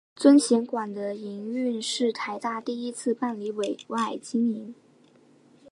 尊贤馆的营运是台大第一次办理委外经营。